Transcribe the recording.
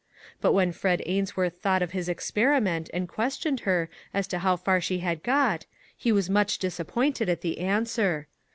But when Fred Ainsworth thought of his experiment and questioned her as to how far she had got, he was much disappointed at the answer.